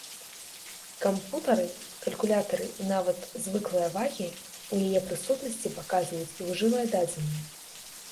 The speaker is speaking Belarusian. Кампутары, калькулятары і нават звыклыя вагі ў яе прысутнасці паказваюць ілжывыя дадзеныя.